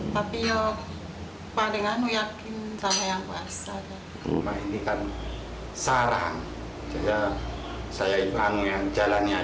tapi yo paling anu yakin sama yang kuasa dan memainkan sarang saya saya itu anu yang jalannya